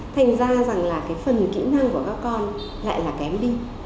thành ra rằng là cái phần kỹ năng của các con lại là kém đi